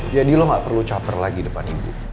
jadi lo gak perlu caper lagi depan ibu